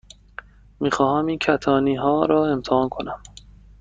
می خواهم این کتانی ها را امتحان کنم.